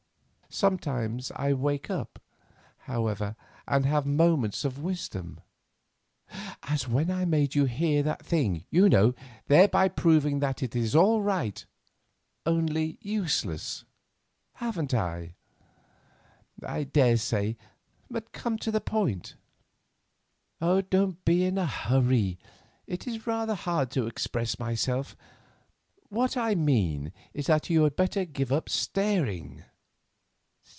Sometimes I wake up, however, and have moments of wisdom—as when I made you hear that thing, you know, thereby proving that it is all right, only useless—haven't I?" "I daresay; but come to the point." "Don't be in a hurry. It is rather hard to express myself. What I mean is that you had better give up staring."